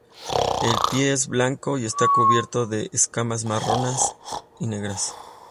El pie es blanco y está cubierto de escamas marrones o negras.